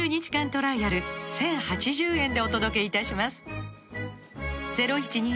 トライアル１０８０円でお届けいたします